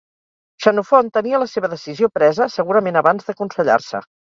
Xenofont tenia la seva decisió presa segurament abans d'aconsellar-se